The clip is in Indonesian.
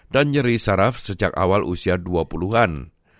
dan nyeri saraf sejak awal usia dua puluh an